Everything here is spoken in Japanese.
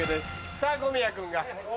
さぁ小宮君が。